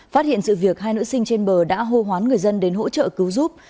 phát hiện sự việc hai nữ sinh trên bờ đã hô hoán người dân đến hỗ trợ cứu giúp